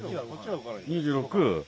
２６。